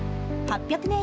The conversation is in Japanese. ８００年